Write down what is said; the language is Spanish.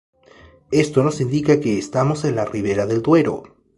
Esto nos indica que estamos en la Ribera del Duero.